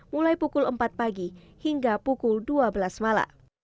mulai pukul empat pagi hingga pukul dua belas malam